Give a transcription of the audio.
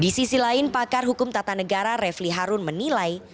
di sisi lain pakar hukum tata negara refli harun menilai